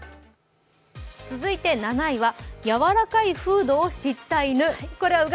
続いて７位は柔らかいフードを知った犬。